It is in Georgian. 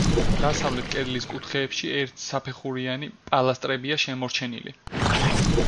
დასავლეთ კედლის კუთხეებში ერთსაფეხურიანი პილასტრებია შემორჩენილი.